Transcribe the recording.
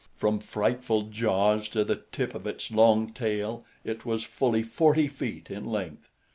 From frightful jaws to the tip of its long tail it was fully forty feet in length.